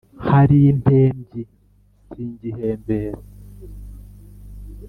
hari impembyi singihembera.